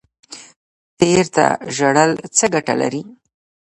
تیر ته ژړل څه ګټه لري؟